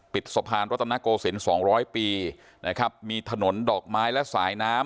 สะพานรัตนโกศิลป๒๐๐ปีนะครับมีถนนดอกไม้และสายน้ำ